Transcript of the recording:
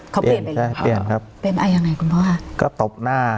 เขาเปลี่ยนไปใช่เปลี่ยนครับจังไงคุณพ่ออะก็ตบหน้า